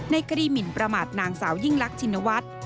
ในคดีหมินประมาทนางสาวยิ่งรักชินวัฒน์